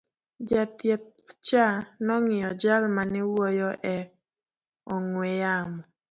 jachieth cha nong'iyo jal mane wuoyo e ong'we yamo